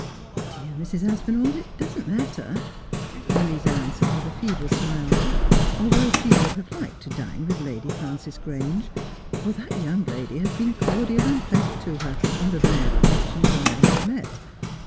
' Dear Mrs. Aspinali, it doesn't matter,' Louisa answered with a feeble smile, although she would have liked to dine with Lady Prances Grange, for that young lady had been cordial and pleasant to her on the rare occasions when they had met.